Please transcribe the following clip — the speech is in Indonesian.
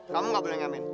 kamu gak boleh ngamen